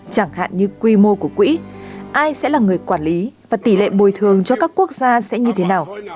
chẳng hạn như quy mô của quỹ ai sẽ là người quản lý và tỷ lệ bồi thường cho các quốc gia sẽ như thế nào